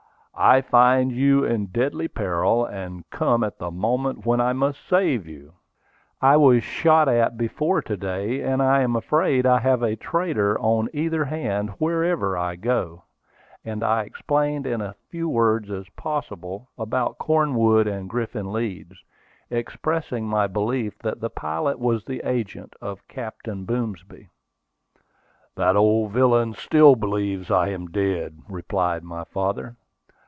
"I find you in deadly peril, and come at the moment when I may save you!" "I was shot at before to day; and I am afraid I have a traitor on either hand wherever I go;" and I explained in as few words as possible about Cornwood and Griffin Leeds, expressing my belief that the pilot was the agent of Captain Boomsby. "That old villain still believes I am dead," replied my father.